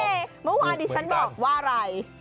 เย้เมื่อวานดิฉันบอกว่าอะไร